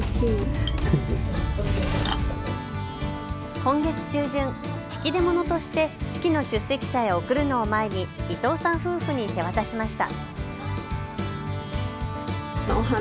今月中旬、引き出物として式の出席者へ送るのを前に伊藤さん夫婦に手渡しました。